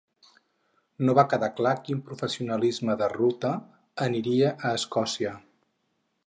No va quedar clar quin professionalisme de ruta aniria a Escòcia.